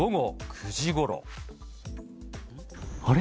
あれ？